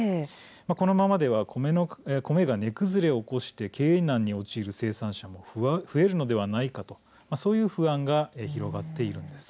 このままでは米が値崩れを起こして経営難に陥る生産者も増えるのではないかとそういう不安が広がっているんです。